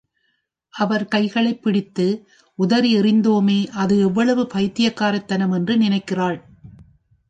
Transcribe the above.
அவர் கைகளைப் பிடித்து உதறி எறிந்தோமே அது எவ்வளவு பைத்தியக்காரத்தனம் என்று நினைக்கிறாள்.